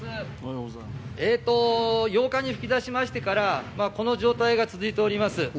８日に噴き出しましてから、この状態が続いております。